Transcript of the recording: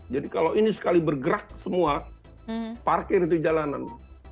jadi kalau ini sekali bergerak semua parkir itu jalanan